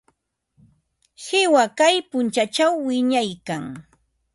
Qiwa kay punkućhaw wiñaykan.